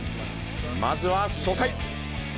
まずは初回。